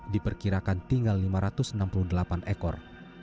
diperkirakan tinggal lima ratus enam puluh delapan ekor